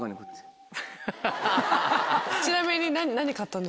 ちなみに。